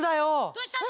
どうしたの？